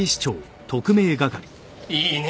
いいね